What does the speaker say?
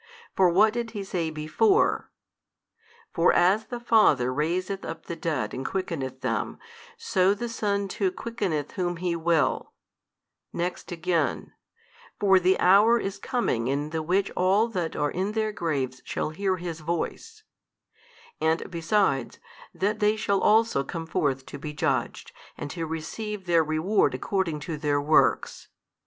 For what did He say before? For as the Father raiseth up the dead |275 and quickeneth them, so the Son too quickeneth whom He will, next again, For the hour is coming in the which all that are in their graves shall hear His Voice; and besides, that they shall also come forth to be judged and to receive their reward according to their works.